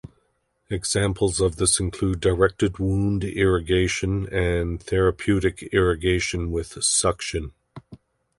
Examples of this include directed wound irrigation and therapeutic irrigation with suction.